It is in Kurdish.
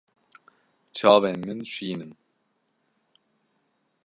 Çavên min şîn in.